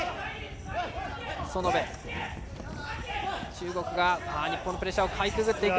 中国が日本のプレッシャーをかいくぐっていく。